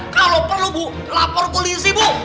kalau perlu bu lapor polisi bu